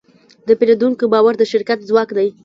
د پیرودونکي باور د شرکت ځواک دی.